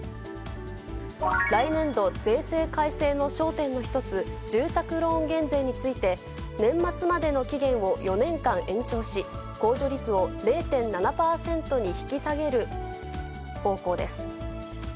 来年度税制改正の焦点の一つ、住宅ローン減税について、年末までの期限を４年間延長し、控除率を０．７％に引き下げる方向です。